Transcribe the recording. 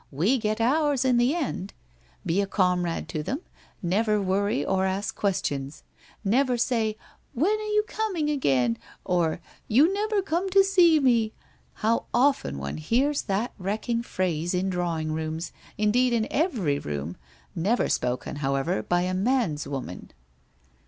"We get ours in the end. Be a com rade to them — never worry or ask questions. Never say " When are you coming again ?" or " You never come to see me !" How often one hears that wrecking phrase in drawing rooms, indeed in every room — never spoken, how ever, by a man's woman